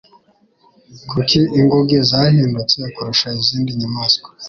Kuki inguge zahindutse kurusha izindi nyamaswa?